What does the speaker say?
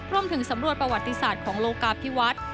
รวมถึงสำรวจประวัติศาสตร์ของโลกราฟที่วัด